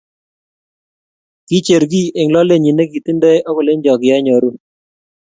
Kicher kiy eng lolenyi nekitindoi akolecho kianyoru